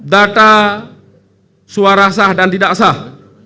data suara sah dan tidak sah